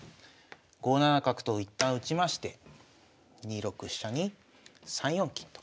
５七角と一旦打ちまして２六飛車に３四金と。